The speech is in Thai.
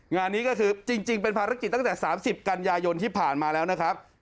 งานนี้ก็คือจริงเป็นภารกิจตั้งแต่๓๐กันยายนที่ผ่านมาแล้วนะครับ